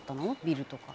ビルとか」